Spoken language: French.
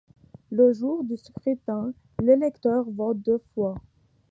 Le jour du scrutin, l'électeur vote deux fois.